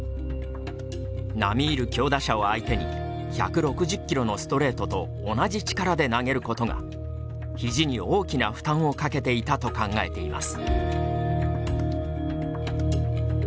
並みいる強打者を相手に１６０キロのストレートと同じ力で投げることがひじに大きな負担をかけていたと考えています。